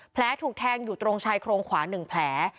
แผลถูกแทงอยู่ตรงชายโครงขวา๑แผล